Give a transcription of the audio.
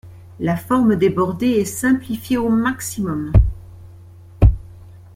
La forme des bordés est simplifiée au maximum.